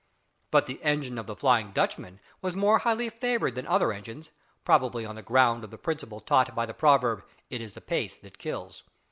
But the engine of the "Flying Dutchman" was more highly favoured than other engines probably on the ground of the principle taught by the proverb, "It is the pace that kills."